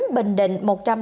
bình định một trăm linh hai